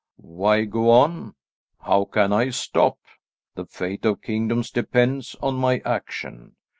"Why go on; how can I stop? The fate of kingdoms depends on my action.